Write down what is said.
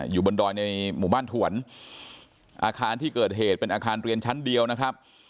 อยู่บนดอยในหมู่บ้านถวนอาคารที่เกิดเหตุเป็นอาคารเรียนชั้นเดียวนะครับ